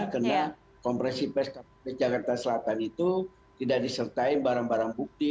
karena kompresi pes dari jakarta selatan itu tidak disertai barang barang bukti